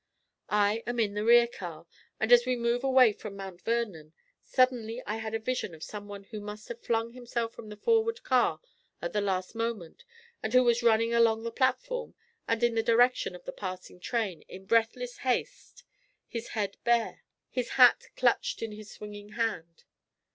I am in the rear car, and as we move away from Mount Vernon, suddenly I have a vision of someone who must have flung himself from the forward car at the last moment, and who is running along the platform, and in the direction of the passing train, in breathless haste, his head bare, his hat clutched in his swinging hand.